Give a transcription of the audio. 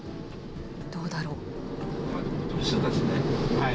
どうだろう。